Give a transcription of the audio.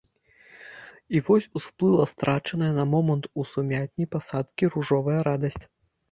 І вось усплыла страчаная на момант у сумятні пасадкі ружовая радасць.